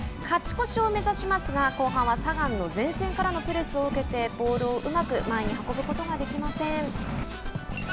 勝ち越しを目指しますが後半はサガンの前線からのプレスを受けてボールをうまく前に運ぶことができません。